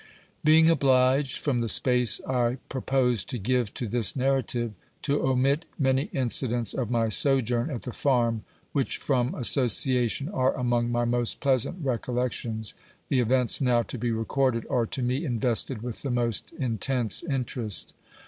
Being obliged, from the space I propose to. give tp^ this narrative, to omifc many incidents of my sojourn at the Farm, which from association are among my most pleasant recollec tions, the events now to be recorded are to me invested with the most intense, interest.